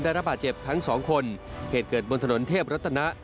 ระบาดเจ็บทั้งสองคนเหตุเกิดบนถนนเทพรัตนะ